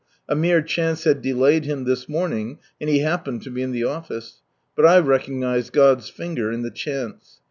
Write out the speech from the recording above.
A mere chance had delayed him this morning, and he happened to be in the office. But I recognised God's finger in the "chance."